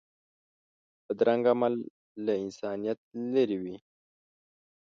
بدرنګه عمل له انسانیت لرې وي